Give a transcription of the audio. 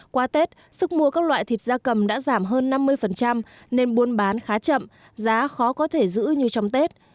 qua tết sức mua các loại thịt da cầm đã giảm hơn năm mươi nên buôn bán khá chậm giá khó có thể giữ như trong tết